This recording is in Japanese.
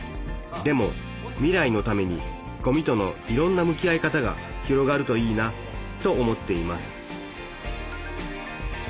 でも未来のためにごみとのいろんな向き合い方が広がるといいなと思っています